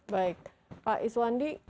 baik pak iswandi